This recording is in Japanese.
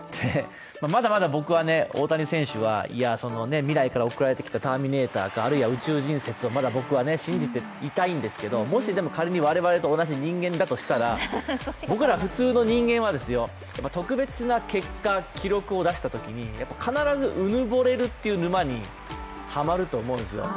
まだまだ僕は大谷選手は未来から送られてきたターミネーターかあるいは宇宙人説を僕は信じていたいんですがもし、でも仮に同じ人間だとしたら僕ら普通の人間は特別な結果、記録を出したときに必ずうぬぼれるという沼にハマると思うんですよ。